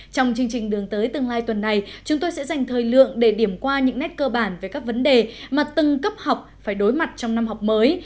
trong chương trình đường tới tương lai tuần này chúng tôi sẽ dành thời lượng để điểm qua những nét cơ bản về các vấn đề mà từng cấp học phải đối mặt trong năm học mới